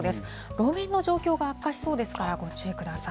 路面の状況が悪化しそうですから、ご注意ください。